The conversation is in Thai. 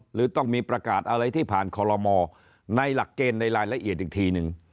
หรือต้องมีประกาศอะไรที่ผ่านคอลโลมอในหลักเกณฑ์ในรายละเอียดอีกทีนึง